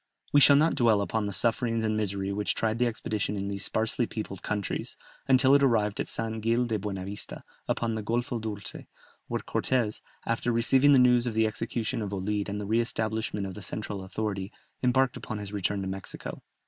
We shall not dwell upon the sufferings and misery which tried the expedition in these sparsely peopled countries, until it arrived at San Gil de Buena Vista, upon the Golfo Dolce, where Cortès, after receiving the news of the execution of Olid and the re establishment of the central authority, embarked upon his return to Mexico.